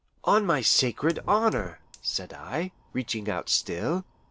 "On my sacred honour," said I, reaching out still.